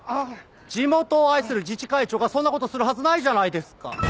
地元を愛する自治会長がそんな事するはずないじゃないですか。